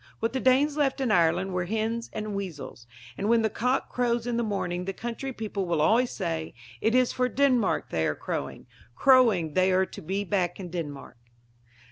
What the Danes left in Ireland were hens and weasels. And when the cock crows in the morning the country people will always say: "It is for Denmark they are crowing; crowing they are to be back in Denmark."